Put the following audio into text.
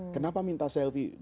kenapa minta selfie